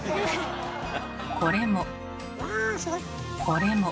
これも。